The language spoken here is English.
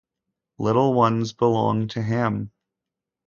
Little ones belong to him.